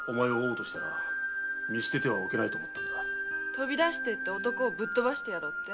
飛び出していって男をぶっ飛ばしてやろうって？